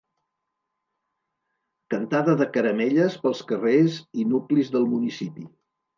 Cantada de caramelles pels carrers i nuclis del municipi.